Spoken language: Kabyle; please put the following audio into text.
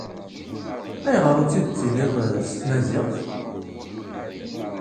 Ayɣer ur t-id-tettiniḍ s tmaziɣt?